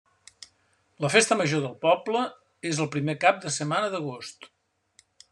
La festa major del poble és el primer cap de setmana d'agost.